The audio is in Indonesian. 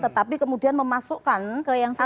tetapi kemudian memasukkan ke yang sudah ada